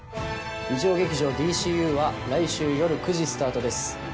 日曜劇場『ＤＣＵ』は来週夜９時スタートです。